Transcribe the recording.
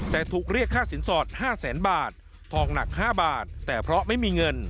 แต่ถูกเรียกค่าสินสอด๕แสนบาททองหนัก๕บาทแต่เพราะไม่มีเงิน